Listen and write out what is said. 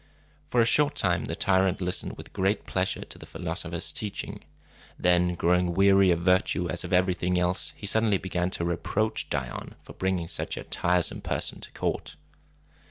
For a short time the tyrant listened with great pleasure to the philosopher's teachings. Then, growing weary of virtue as of everything else, he suddenly began to reproach Dion for bringing such a tiresome person to court.